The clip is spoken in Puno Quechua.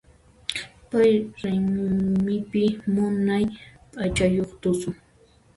Pay raymipi munay p'achayuq tusun.